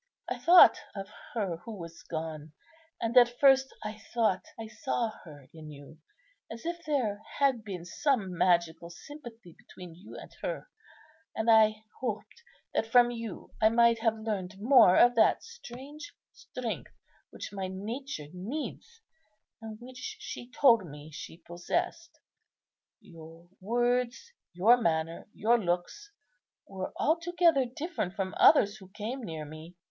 I thought of her who was gone; and at first I thought I saw her in you, as if there had been some magical sympathy between you and her; and I hoped that from you I might have learned more of that strange strength which my nature needs, and which she told me she possessed. Your words, your manner, your looks were altogether different from others who came near me.